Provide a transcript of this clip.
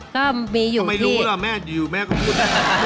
ก็มีอยู่ที่ไม่รู้แล้วแม่อยู่แม่ก็พูด